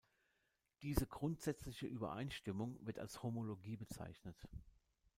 Diese grundsätzliche Übereinstimmung wird als Homologie bezeichnet.